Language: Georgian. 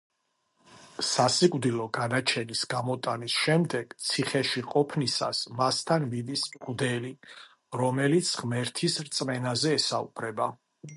სასიკვდილო განაჩენის გამოტანის შემდეგ, ციხეში ყოფნისას, მასთან მიდის მღვდელი, რომელიც ღმერთის რწმენაზე ესაუბრება.